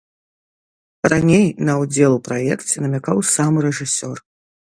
Раней на ўдзел у праекце намякаў сам рэжысёр.